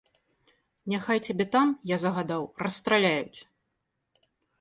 Няхай цябе там, я загадаў, расстраляюць.